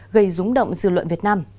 gây rúng động dư luận việt nam